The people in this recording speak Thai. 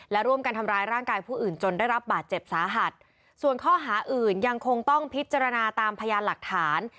และร่วมกันทำร้ายร่างกายผู้อื่นจนได้รับบาดเจ็บสาหัสส่วนข้อหาอื่นยังคงต้องพิจารณาตามพยานหลักฐาน